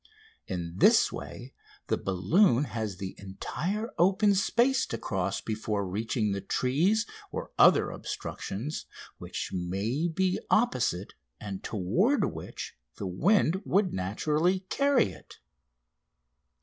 In this way the balloon has the entire open space to cross before reaching the trees or other obstructions which may be opposite and toward which the wind would naturally carry it.